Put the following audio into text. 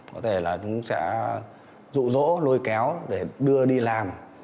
có thể là chúng sẽ rụ rỗ lôi kéo để đưa đi làm